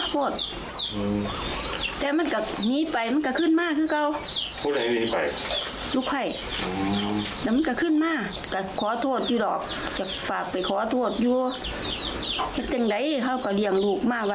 ขอโทษนะครับเต็มใดใช้เขาก็เลี่ยงลูกมาะวะ